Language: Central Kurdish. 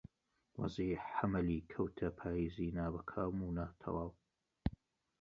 وەزعی حەملی کەوتە پاییز نابەکام و ناتەواو